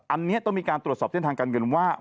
อันนี้ต้องมีการตรวจสอบเส้นทางการเงินว่า